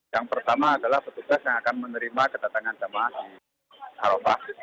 yang pertama adalah petugas yang akan menerima kedatangan jemaah di arafah